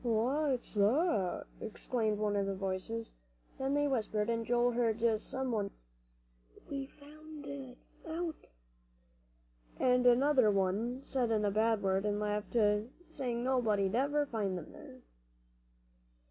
"What's that?" exclaimed one of the voices. Then they whispered, and Joel heard some one say, "We're found out." And another one said a bad word, and laughed, saying nobody'd ever find them there.